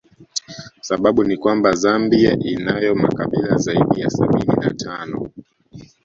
Sababu ni kwamba Zambia inayo makabila zaidi ya sabini na tano